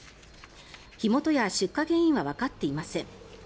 火元や出火原因はわかっていません。